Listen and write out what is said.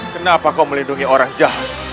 kenapa kau melindungi orang jahat